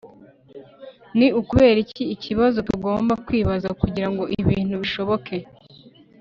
ni ukubera iki ikibazo tugomba kwibaza kugirango ibintu bishoboke